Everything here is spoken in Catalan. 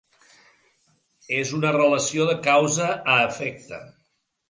És una relació de causa a efecte.